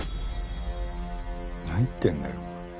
何言ってんだよ。